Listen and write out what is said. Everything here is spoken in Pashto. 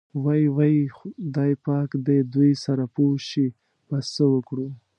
وۍ وۍ خدای پاک دې دوی سره پوه شي، بس څه وکړو.